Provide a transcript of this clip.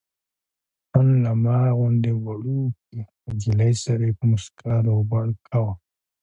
ان له ما غوندې وړوکې نجلۍ سره یې په موسکا روغبړ کاوه.